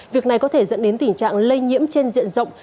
việc này có thể dẫn đến tình trạng lây nhiễm trên diện rộng